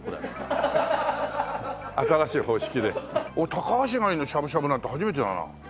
タカアシガニのしゃぶしゃぶなんて初めてだな。